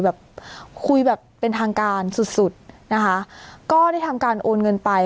แบบคุยแบบเป็นทางการสุดสุดนะคะก็ได้ทำการโอนเงินไป